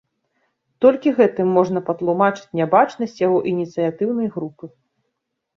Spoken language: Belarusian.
Толькі гэтым можна патлумачыць нябачнасць яго ініцыятыўнай групы.